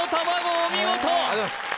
お見事ありがとうございます